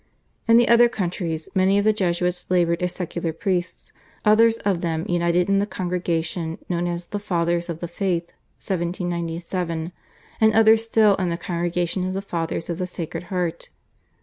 In the other countries many of the Jesuits laboured as secular priests, others of them united in the congregation, known as the Fathers of the Faith (1797), and others still in the congregation of the Fathers of the Sacred Heart.